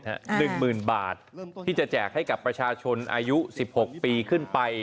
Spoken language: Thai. ๑หมื่นบาทที่จะแจกให้กับประชาชนอายุ๑๖ปีขึ้นไป